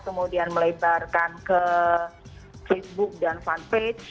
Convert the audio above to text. kemudian melebarkan ke facebook dan fanpage